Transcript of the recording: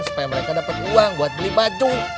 supaya mereka dapat uang buat beli baju